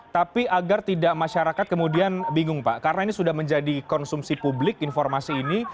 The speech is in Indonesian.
tapi agar tidak masyarakat kemudian bingung pak karena ini sudah menjadi konsumsi publik informasi ini